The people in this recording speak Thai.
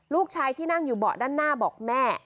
ลูกชายที่นั่งอยู่เบาะด้านหน้าบอกแม่